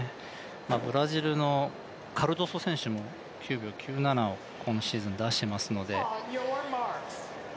ブラジルのカルドソ選手も９秒９７を今シーズン出していますので。